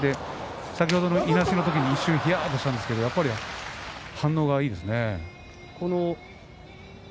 先ほど、いなしの時に一瞬ひやっとしたんですがやっぱり反応がいいですね。